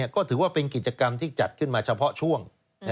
ก็ถือว่าเป็นกิจกรรมที่จัดขึ้นมาเฉพาะช่วง